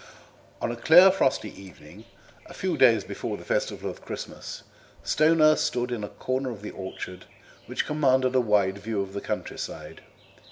On a clear frosty evening, a few days before the festival of Christmas, Stoner stood in a corner of the orchard which commanded a wide view of the countryside.